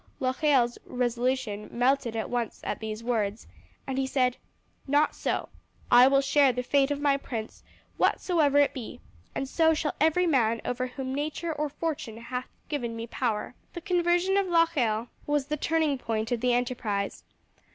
Locheil's resolution melted at once at these words, and he said: "Not so. I will share the fate of my prince whatsoever it be, and so shall every man over whom nature or fortune hath given me power." The conversion of Locheil was the turning point of the enterprise.